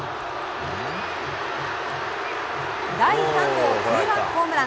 第３号ツーランホームラン。